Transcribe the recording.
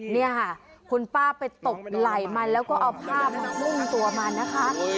นี่คุณป้าไปตบไหล่มันแล้วก็เอาภาพนรุ่งตัวมันนะคะ